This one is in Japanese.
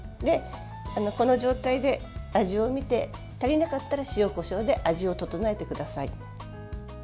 この状態で味を見て足りなかったら塩、こしょうで味を調えてください。